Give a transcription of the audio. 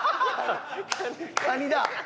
カニだ。